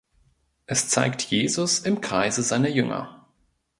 Es zeigt Jesus im Kreise seiner Jünger.